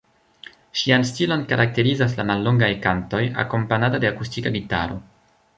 Ŝian stilon karakterizas la mallongaj kantoj, akompanata de akustika gitaro.